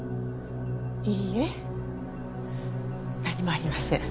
いいえ何もありません。